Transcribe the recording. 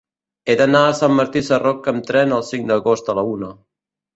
He d'anar a Sant Martí Sarroca amb tren el cinc d'agost a la una.